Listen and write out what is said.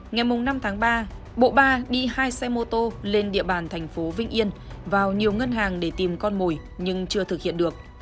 ngày năm tháng ba bộ ba đi hai xe mô tô lên địa bàn thành phố vinh yên vào nhiều ngân hàng để tìm con mồi nhưng chưa thực hiện được